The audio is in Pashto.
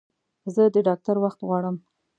زه د ډاکټر وخت غواړم